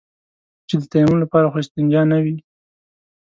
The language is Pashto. چې د تيمم لپاره خو استنجا نه وي.